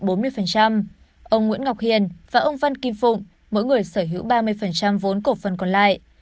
ông nguyễn ngọc hiền và ông văn kim phụng mỗi người sở hữu ba mươi vốn cổ phần còn lại